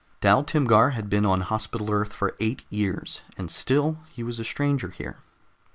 Dal Timgar had been on Hospital Earth for eight years, and still he was a stranger here.